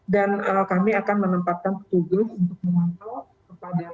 dan kami akan menempatkan petugas untuk mengantuk kepadatan